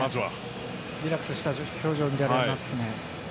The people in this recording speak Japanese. リラックスした表情に見えますね。